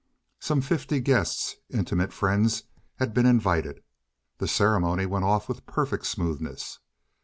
Some fifty guests, intimate friends, had been invited. The ceremony went off with perfect smoothness.